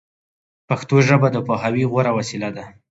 پښتو ژبه د پوهاوي غوره وسیله ده